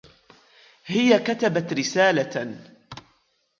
هي كتبت رسالةً.